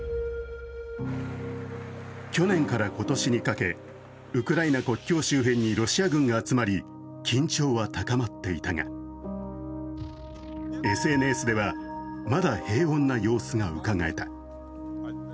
去年から今年にかけ、ウクライナ国境周辺にロシア軍が集まり、緊張は高まっていたが、ＳＮＳではまだ平穏な様子がうかがえた。